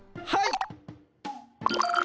はい。